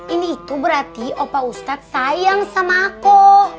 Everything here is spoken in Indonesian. ini itu berarti opa ustadz sayang sama aku